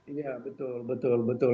iya betul betul betul